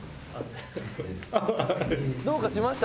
「どうかしました？」